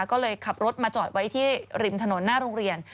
ก็เลยขับรถมาจอดไว้ที่ริมถนนหน้าโรงเรียน